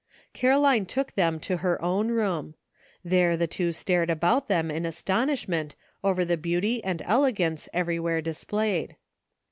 Caroline took them to her own room. There the two stared about them in astonishment over the beauty and elegance everywhere displayed.